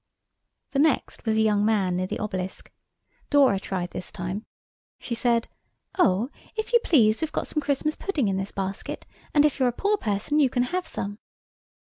The next was a young man near the Obelisk. Dora tried this time. She said, "Oh, if you please we've got some Christmas pudding in this basket, and if you're a poor person you can have some."